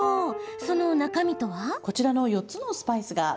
その中身とは？